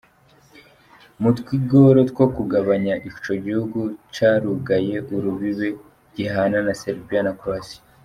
Mu twigoro two kubagabanya, ico gihugu carugaye urubibe gihana na Serbia na Croatia.